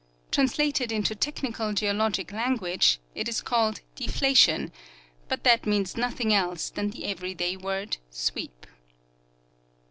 Translated into technical geologic lan guage, it is called " deflation," but that means nothing else than the every day word "sweep."